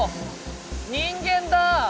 人間だ！